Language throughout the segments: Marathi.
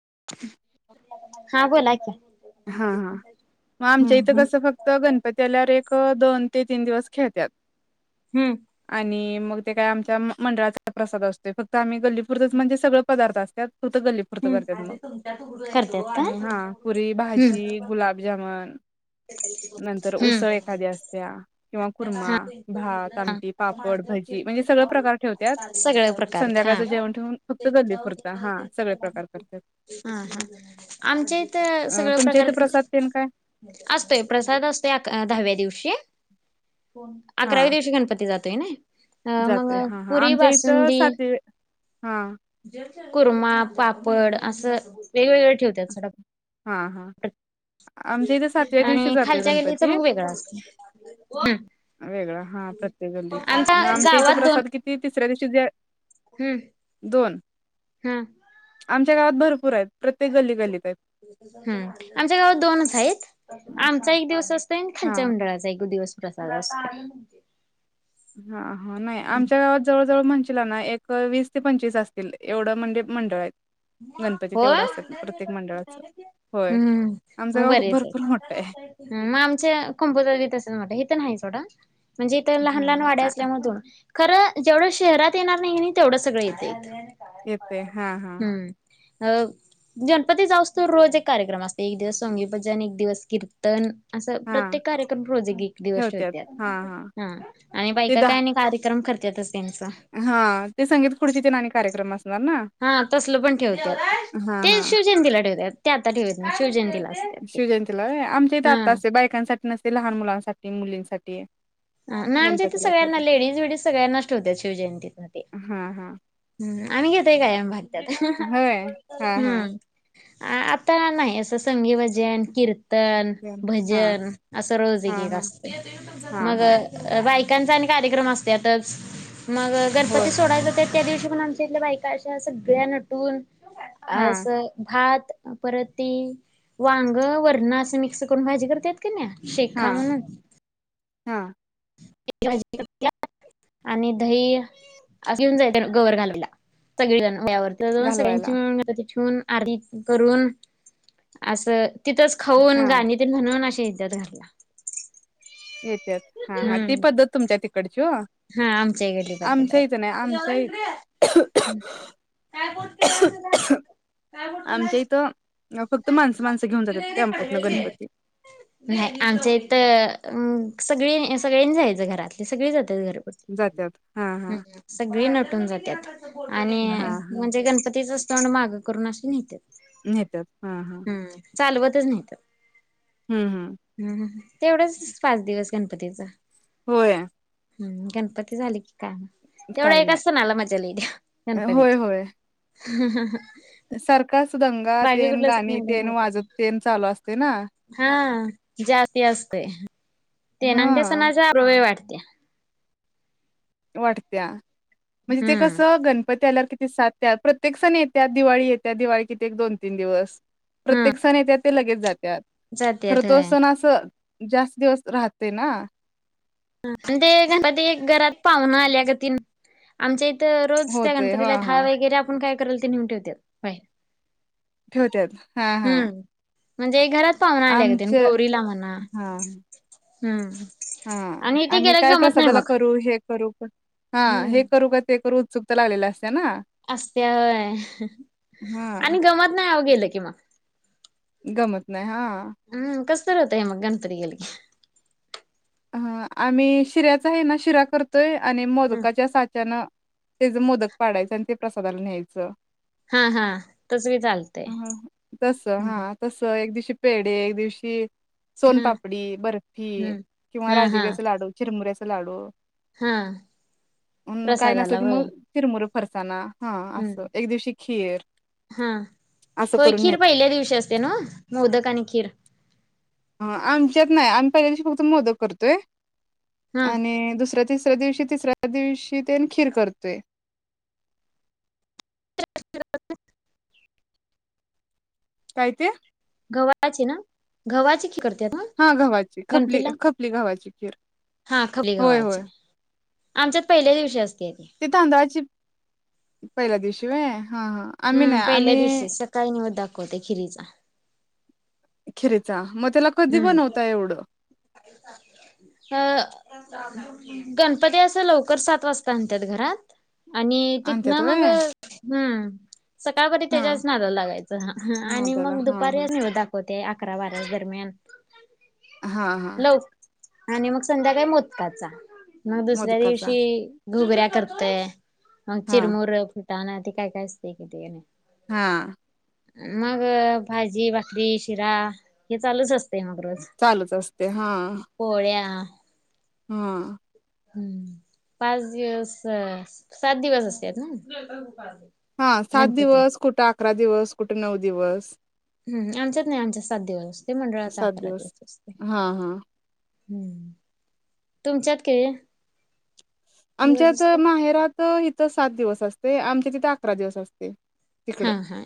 [inaudible] हा बोला की. हा हा हम्म मग आमच्या इथं हम्म कसं फक्त गणपती आल्यावर एक दोन ते तीन दिवस खेळत्यात हम्म आणि मग ते काय आमच्या मंडळाचा प्रसाद असतो फक्त आम्ही गल्ली पुरतच म्हणजे सगळ पदार्थ अस त्या ह करत्यात मग हा पुरी काय भाजी गुलाब जामन ह असत्या. किंवा कुर्मा भात आमटी पापड भजी म्हणजे सगळ प्रकार ठेवत्यात. सगळं प्रकार हा संध्याकाळचं हा जेवण ठेवून फक्त गल्ली पुरत हा सगळे प्रकार करतात. ह आमच्या इथ अ सगळं तुमच्या प्रकार इथे प्रसाद तेन काय असतोय प्रसाद असतोय अका दहाव्या दिवशी अकराव्या दिवशी गणपती जात हे नाही. जातय हा हा आमच्या इथं सात हा कुरमा पापड असं वेगवेगळ ठेवतात सगळं हा हा आमच्या इथे सातव्या दिवशी आणि जातोय खालच्या गल्लीच गणपती मग वेगळं असतंय वेगळा हा प्रत्येक गल्लीच मग आमच्या इथं गावात दोन प्रसाद किती तीस दुसऱ्या दिवशी हम्म दोन हम्म. आमच्या गावात भर पुर आहेत प्रत्येक गल्ली गलीत आहेत हम्म आमच्या गावात दोनच हाईत. आमचा एक दिवस अस हा खालच्या मंडळाचा एक दिवस. प्रसाद असतो. हा हा नाही आमच्या गावात जवळ जवळ म्हणशीला ना एक वीस ते पंचवीस असतील एवढं म्हणजे मंडळ आहेत. गणपती हो तेवढं असतात प्रत्येक मंडळाचं होय हूं आमचं मग गाव बरेच भरपूर मोठं आहे आहेत मग आमचे कम्पोजर तीत असेल मोठ हित नाहीच. एवडा म्हणजे इथं लहान लहान वाड्या हा असल्यामधून खरं जेवढं शहरात येणार नाही नी तेवढं सगळं येत इथं. येतय. हा हा अ गणपती जावुस्तवर रोज एक कार्यक्रम असतय एक दिवस संंगी भजन एक दिवस कीर्तन असं हा प्रत्येक कार्यक्रम रोज एक एक दिवस ठेवत्यात हा आणि ते बाईका द काय आणि कार्यक्रम कर त्यातच हा ते संगीत खुर्ची तुन आणी कार्यक्रम अस हा तसलं पण ठेवत्यात हा ते हा शिवजयंतीला ठेवत्यात. ते आता ठेवित नाही शिवयंतीला शिवजयंतीला व्हय, आमचे हित आता असतय बायकांसा नसतय लहान मुलांसाठी मुलींसाठीये. नाय आमच्या इथ सगळ्यांना लेडीज वेडीज सगळ्यांनाच ठेवत्यात शिवजयंतीमध्ये हा हा हम्म आम्ही घेतोय कायम भाग त्यात होय हा हा हूं अ आता नाही असं संगी भजन आणि कीर्त र्तन हा हा भजन असं रोज एक एक हा असतय. हा मग हा बाय त्यांचा आणि कार्यक्रम असतयातच. मग होय गणपती सोडाया जात्यात त्या दिवशी पण आमच्या इथल्या बायका अशा सगळ्या नटून हा असं भात परत ती वांग वरण असं मिक्स करून भाजी करतेत कीनाय हा शेखा म्हणून हा भाजी आणि दही अस घेऊन जायचं गवर घालायला सगळीजणं, घालवायला [unintelligible] आर [unintelligible] करून असं तिथच खाऊन हा गाणी ते म्हणून द धरला. येत्यात हा हा ती पद्धत तुमच्या तिकडची हो हा आमच्या इकडची पद्धत आमच्या हाय. इथं नाही आमच्या इ आमच्या इथं अ, फक्त माणसं माणसं घेऊन जातात टेम्पोतनं गणपती नाही आमच्या इथं अ सगळे सगळयांनी जायचं घरातली सगळे जातात. जात्यात हा हा सगळी नटून जातात आणि हा हा म्हणजे गणपतीच तोंड माघ करून अस नेत्यात. नेत्यात हा हा. हम्म चालवतच नेत्यात. हम्म ह. तेवढंच पाच दिवस गणपतीचं. होय. हम्म गणपती झाली की. काय तेवढा काय एक नाही असत नाला मजा लिली गणपतीची. ह ह ह. सरकार. कास गंगा तेन सण गाणी एवढं हे तेन वाटत नाही वाजत तेन चालू असते ना. जाती असते. ते हा न ते सणाजवे वाटते. त्या्या. वाटत्या. म्हणजे ते हम्म कसं गणपती आल्यावर कि सातत्यात प्रत्येक सण येत्या दिवाळी येत्या दिवाळी कितीे एक दोन तीन दिवस. हम्म प्रत्येक सणेत येत्यात. ते लगेच जात. त्यात खरं जात्यात तो होय असत ना असं जास्त दिवस राहते ना. आणि ते गणपती घरात पाहुण आल्याग त आमच्या रोज त्या होते हा गणपतीला हा ठा वगैरे आपण काय. कराल तेेऊ ठेवते्या बाय. ठेवत्यात हा हा. म्हणजे घरात पाहून आल्या का आमच्या गौरीला म्हणा. हा हम्म. हा ते आणि गेल्या काय गमत नाही प्रसादाला मग करू, हे करू, हा हे करू का ते करू. सुुट्या लागलेलं असत्या. असतय होय हा आणि गमत नाही आ गेलं की मग. गमत नाही हा. हम्म कस तरी होतय, मग गणपती गेल की. ह आम्ही शिऱ्याचा आहे, ना शिरा करतोय. आणि हम्म मोदकाच्या साच्यान त्याच मोदक पाडायचं आणि ते प्रसादाला न्यायचं. हा, हा, तस बी चालत. हां, ची पेढ एक दिवशी सोनपापडी, बर्फी, हम्म किंवा हा हा राजीगीऱ्याचा लाडू, चीरमुऱ्याचा लाडू, हा मग काही नसल प्रसादाला कि, होय मग चीरमुर- फरसाना, हा असं हम्म एक दिवशी खीर [unintelligible] हा, असं होय करून खीर नेतो. पहिल्या दिवशी असते, नव मोदक आणि खीर- ह आमच्यात नाही, आम्ही पहिल्यादिवशी फक्त मोदक करतोय- हा आणि दुसऱ्या- तिसऱ्या दिवशी, तिसऱ्या दिवशी तेन खीर करतोय- ते [unintelligible] काय ते? गव्हाची ना? गव्हाची खीर करते- हा गव्हाची, खपली, खपली गव्हाची खीर हा खपली होय, गव्हाची होय- आमच्यात पहिल्या दिवशी असत. ते तांदळाची पहिल्या दिवशी [unintelligible] हा, हा, आमी नाय आमी वतो, ते खीरीचा. खिरीचा, त्याला कधी हम्म बनवता एवढं अं. गणपती असं लवकर सात वाजता आणत्यात घरात आणि तिथन आणत्यात मग व्हय हम् सकाळपरी हा तेच्याच नादाला लागायचं हा आणि नादाला मग हा दुपारी हा निवद दाखवत ते अकरा बारा दरम्यान [inaudible] हा हा. लव आणि मग संध्याकाळी मोदकाचा म दुसऱ्या मोदकाचा दिवशी घुगऱ्या करतोय. म हा चिर मुर फु ताण हाय ते काय काय असतय कि ते आणि हा मग भाजी भाकरी शिरा हे चालूच अस ते मग रोज चालूच असते पोळ्या हम्म. हम्म पाच दिवस सात दिवस असत्यात ना. हा सात गणपती दिवस कुठा अकरा दिवस कुठं नऊ दिवस हम्म आमच्यात नाइ आमच्या सात दिवस असतोय, मंडळाचा अकरा दिवस असतोय हा हा हम्म तुमच्यात केळी आमच्यात माहेरात इथं सात दिवस [unintelligible] आमच्या तिथं अकरा दिवस असते. हा तिकडं हा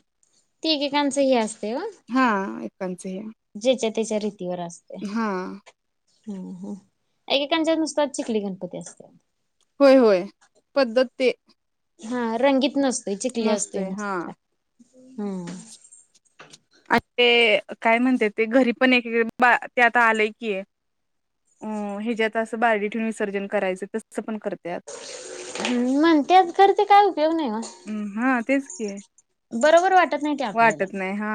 ते एकेकाचं हे असतय वो हा एकांचं हे जेच्या तेच्या रीतीवर असतय. हा हम्म हम्म एकेकांच्यात नुसता चिखली गणपती असतोय. होय होय पद्धत ते हा रंगीत नस तय चिकली असतोय नसतोय हा नुसता हम्म. आणि ते काय म्हणत्यात ते घरी पण एक [unintelligible] ते आता आलंय की अं हेजात असं बारडी ठेवून विसर्जन करायचं तस पण करत्यात. म्हणत्यात खरं ते काय उपयोग नाइ ओ हम्म हा तेच की बरोबर वाटत नाइ ते आपल्याला वाटत नाही हा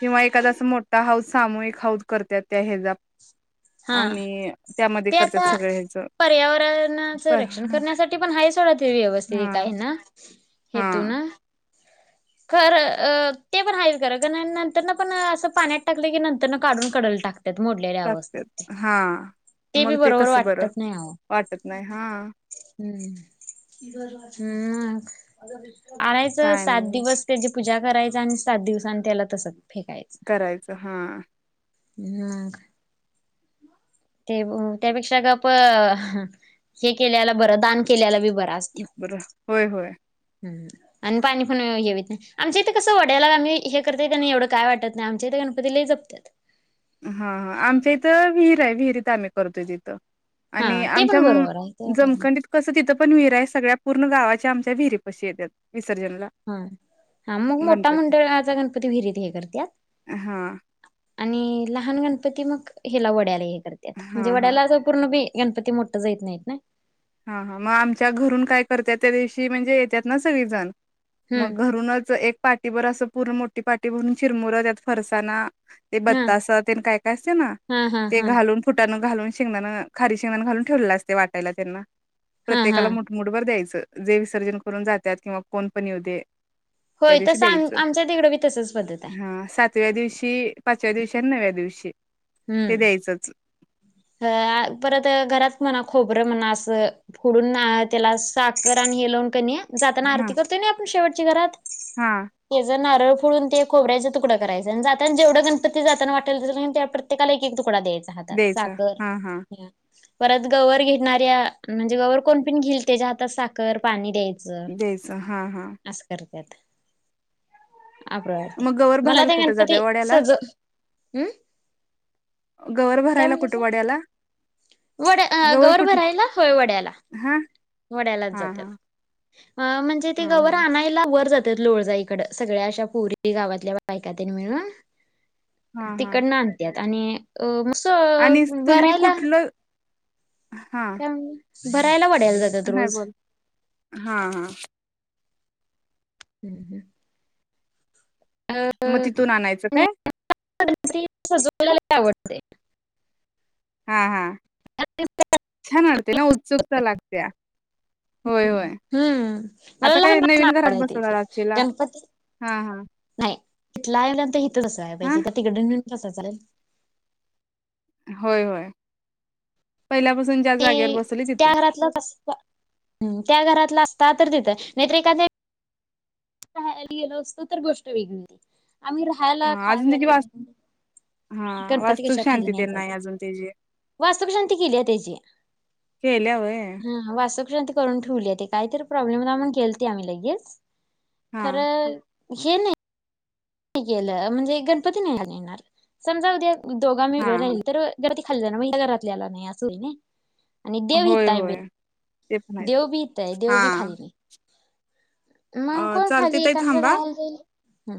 किंवा एखादा अस मोठा हाऊद सामूहिक हाऊद करत्यात त्या हेजा हा ते करतात आता सगळे ह्याच पर्यावरणाचं बर रक्षण करण्यासाठी पण हाय सोडा ते व्यवस्थित हा एका हेन. हा हेेतू नं खर अं ते पण हाय खरं [unintelligible] नंतर पण असं पाण्यात टाकलं की नंतर काढून कडल टाकत्या मोडलेल्या टाकत्यात अवस्थेत हा [inaudible] ते बी मग बरोबर कसं बरं वाटत नाहीं् वाटत नाही हा हम्म आणायचं काय सात नाही बस त्याची पूजा करायच आणि सात दिवस आणि त्याला तसं करायचं हा मॅग ते त्यापेक्षा ग आप हे केल्याला बरं दान केल्याला बी बर होय होय ह आणि पाणी पिून घ्यावीत नाही आमच्या इथे कसं वड्याला आम्ही हे करताय त्यांना एवढं काय वाटत नाही आमच्या इथे गणपतीला जपतात हा हा आमच्या इथं विहीर आहे विहिरीत आम्ही करतोय तिथं हा आणि ते आमच्या पण बरोबर आहे ते काय नाही जमखंडीत कसं तिथं पण विहिरा आहे सगळ्या पूर्ण गावाच्या आमच्या विहिरी पशी येत हा हा मग मोठा गणपती मंडळाचा गणपती विहिरीत हे करत हा [inaudible] आणि लहान गणपती मग ह्याला वड्याला आहे म्हणजे हा हा वड्याला पूर्णी गणपती मो ेत नाही ना हा हा मग आमच्या घरून काय करत त्या दिवशी म्हणजे येतात ना सगळीजण हम्म मग घरूनच एक पाठीभर असं पूर्ण मोठी पाटठी भरून चिरमुरं त्यात फरसाना ते हा बत्तास काय काय असते ना हा हा ते हा. घालून फुटण घालून शेंगदां खारी शेंगणां घालून ठेवला असते वाटायला त्यांना हा हा प्रत्येकाला मोठमोठ वर द्यायचं जे विसर्जन करून जातात किंवा कोण पण येऊदे त्या होय दिवशी तसं आम द्यायचं आमच्या तिकडं बी तसच पद्धत आहे हा सातव्या दिवशी पाचव्या दिवशी आणि नव्या दिवशी ते हम्म. द्यायचंच अ परत घरात म्हणा खोबरं म्हणा असं फुडून त्याला साखर आणि हे लावून कणी जाताना हा आरती करतोय आपण शेट घरात हा हेज नर ोून ते खोऱ्याचा तुकड करायचाय आणि जाता जेवढं गणपती जाना वाटला प्रत्येकाला एक तुकडा दयचा हात द्यायचं सात हा हा परत गवर घेणाऱ्या म्हणजे गवर कोण पण घेलतेच्या्या हातात साखर पाणी द्यायच देयचा हा हा येत अप वाटते मग गवर मला भरायला ते कुठे जातय गणपती सज वड्यालाच हं गवर काय भरायला कुठे म्हणतेसा वड्याला वड्या गवर गौर कुठ भरायला होय वड्याला हा वड्यालाच हा हा जात्यात म्हणजे ते हा गवर हा आणयला वर जात लोळजइकड सगळ्या अशा पुरी गावातल्या बायका तेन मिळून हा हा तिकडन आणत्यात आणि अ आणि असं तुम्ही भरायला कुठलं काम. भरायला वाटत नाय बोल हा हा हम्म हम्म मग तिथून आणायचं काय? नीट सजवायला लई आवडतय हा हा, छान वाटतंय ना उत्सुकता लागतीया. हम्म हम्म मला आता काय लहानप नवीन घरात बसवणार आवडचे आचीला गणपती हा हा नाही तिथलं आहे ना ते ही. सं आहेय हा पाजे त्या तिकड नेऊन कस चालेल. होय होय. पहिल्यापासून ज्या ते जागेवर बसवली त्या तिथंच घरातलंच अस हं त्या घरातलं अस त तर तिथं नाहीतर एखांदे पाहायला गेलो असतो तर गोष्ट वेगळी होती. आम्ही राहायला हा खाय अजून त्याची पियला वास हा गणपती वास्तुक कशा खाली शांती तेन नाही अजून त्याची वास्तु शांती केली आहे त्याची केल्या व्हय ह वासुक शांती करून ठेवलीे ते काही तर प्रॉब्लेम होता म्हणून केलती आम्ही लगेच. हा खरं हेन केलं म्हणजे गणपती नाही येणार समजा उद्या. दोघां म हा वेगळे राहील तर घर खाल्लं ना म्हण घरातल्या आला नाही अस होईल नई. आणि देव होय यताय बी होय ते पण आहेच देव बी यितय देव हा बी खाली नही. अ मग कोण चालतंय खाली ताई कोणतर एखांद थांबा राहायला जाईल हम्